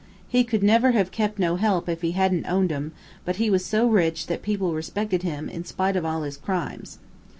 He could never have kept no help, if he hadn't owned 'em, but he was so rich, that people respected him, in spite of all his crimes.